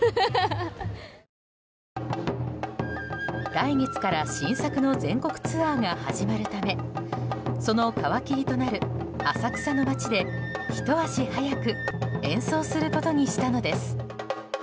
来月から新作の全国ツアーが始まるためその皮切りとなる浅草の街でひと足早く演奏することにしたのです。